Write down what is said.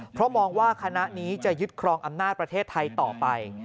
เพราะมองว่าคณะนี้จะยึดครองอำนาจประเทศไทยต่อไป